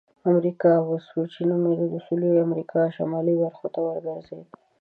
امریکا وسپوچې نومیده د سویلي امریکا شمالي برخو ته وګرځېد.